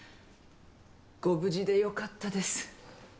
ご無事で良かったです。